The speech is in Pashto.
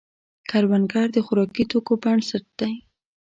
کروندګر د خوراکي توکو بنسټ دی